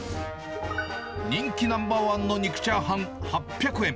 人気ナンバー１の肉チャーハン８００円。